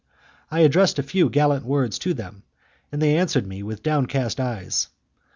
I addressed a few gallant words to them, and they answered me with down cast eyes.